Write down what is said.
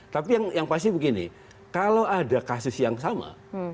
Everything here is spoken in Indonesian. tapi yang pasti begini kalau ada kasus yang sama